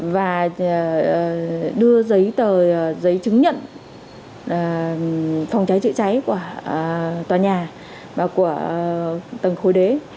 và đưa giấy tờ giấy chứng nhận phòng cháy chữa cháy của tòa nhà và của tầng khối đế